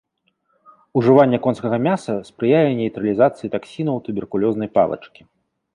Ужыванне конскага мяса спрыяе нейтралізацыі таксінаў туберкулёзнай палачкі.